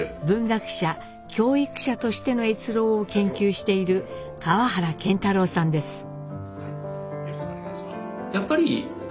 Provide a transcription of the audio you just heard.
文学者教育者としての越郎を研究している川原健太郎さんです。